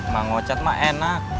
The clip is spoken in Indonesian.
mang ocad mak enak